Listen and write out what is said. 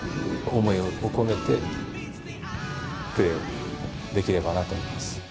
思いを込めて、プレーをできればなと思います。